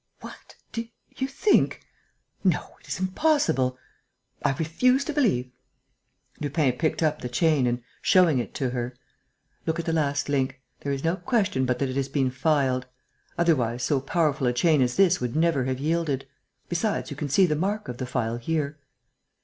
"What!... Do you think?... No, it is impossible.... I refuse to believe...." Lupin picked up the chain and, showing it to her: "Look at the last link. There is no question but that it has been filed. Otherwise, so powerful a chain as this would never have yielded. Besides, you can see the mark of the file here."